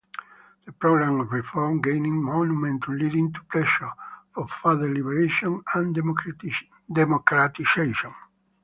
The program of reform gained momentum, leading to pressures for further liberalization and democratization.